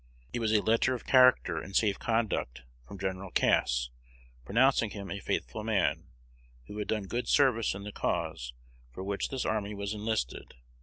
It was a letter of character and safe conduct from Gen. Cass, pronouncing him a faithful man, who had done good service in the cause for which this army was enlisted.